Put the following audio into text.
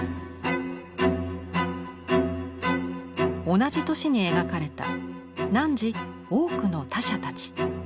同じ年に描かれた「汝、多くの他者たち」。